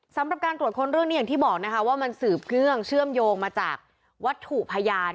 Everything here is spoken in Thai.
สำหรับการตรวจค้นเรื่องนี้อย่างที่บอกนะคะว่ามันสืบเนื่องเชื่อมโยงมาจากวัตถุพยาน